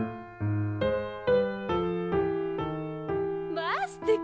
まあすてき！